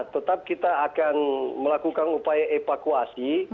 tetap kita akan melakukan upaya evakuasi